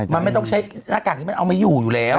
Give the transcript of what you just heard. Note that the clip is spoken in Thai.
มันไม่ต้องใช้หน้ากากที่มันเอาไม่อยู่อยู่แล้ว